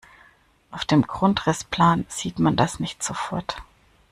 Auf dem Grundrissplan sieht man das nicht sofort.